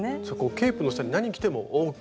ケープの下に何着てもＯＫなような。